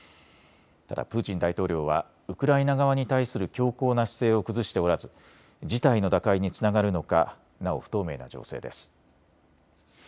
ただプーチン大統領はウクライナ側に対する強硬な姿勢を崩しておらず事態の打開につながるのかなお不透明な情勢です。